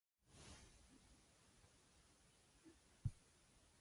The same election also established the first seven-member board of directors.